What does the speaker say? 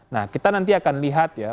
nah kita nanti akan lihat ya